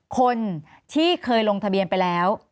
คนที่เคยลงทะเบียนไปแล้ว